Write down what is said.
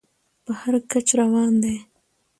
په هر کچ روان دى.